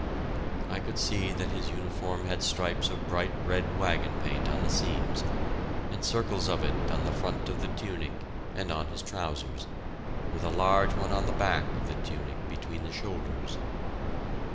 I could see that his uniform had stripes of bright red wagon paint on the seams, and circles of it on the front of the tunic and on his trousers, with a large one on the back of the tunic between the shoulders.